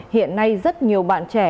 hiện nay rất nhiều bạn trẻ